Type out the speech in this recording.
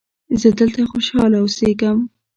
زه دلته خوشحاله اوسیږم.